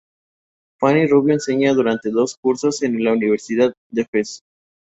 Fanny Rubio enseña durante dos cursos en la Universidad de Fez.